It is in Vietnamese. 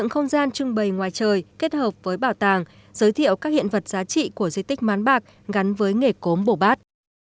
ngắn với nghề gốm bồ bát